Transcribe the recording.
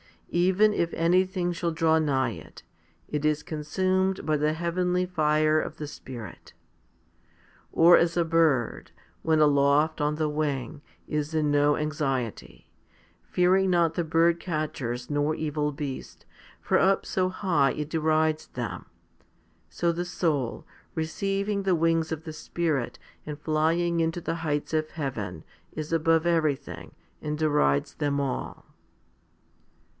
Even if anything shall draw nigh it, it is consumed by the heavenly fire of the Spirit. Or as a bird, when aloft on the wing, is in no anxiety, fear ing not the bird catchers nor evil beasts, for up so high it derides them, so the soul, receiving the wings of the Spirit, and flying into the heights of heaven, is above everything, and derides them all.